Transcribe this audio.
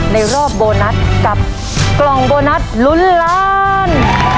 ในรอบโบนัสกับกล่องโบนัสลุ้นล้าน